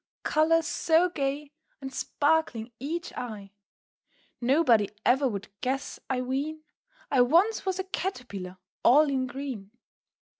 Colours so gay, and sparkling each eye, Nobody ever would guess, I ween, I once was a Caterpillar all in green.